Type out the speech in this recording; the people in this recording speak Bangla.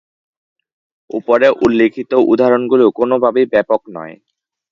ওপরে উল্লেখিত উদাহরণগুলো কোনোভাবেই ব্যাপক নয়।